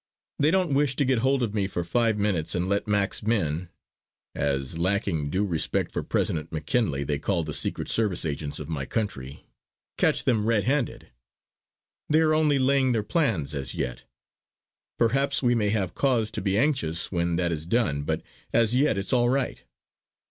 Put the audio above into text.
They don't wish to get hold of me for five minutes and let "Mac's men" as lacking due respect for President McKinley, they call the Secret Service agents of my country catch them red handed. They are only laying their plans as yet. Perhaps we may have cause to be anxious when that is done; but as yet it's all right.